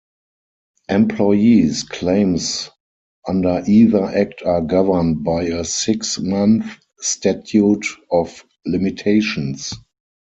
Employees' claims under either Act are governed by a six-month statute of limitations.